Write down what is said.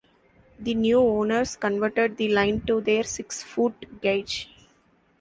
The new owners converted the line to their six-foot gauge.